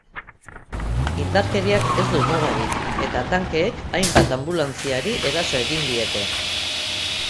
Indarkeriak ez du mugarik eta tankeek hainbat anbulantziari eraso egin diete.